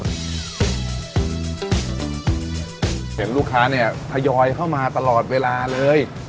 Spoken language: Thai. เห็นลูกค้าเนี่ยทยอยเข้ามาตลอดเวลาเลย